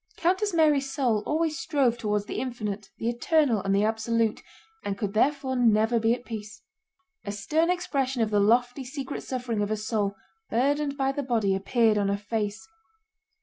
Countess Mary's soul always strove toward the infinite, the eternal, and the absolute, and could therefore never be at peace. A stern expression of the lofty, secret suffering of a soul burdened by the body appeared on her face.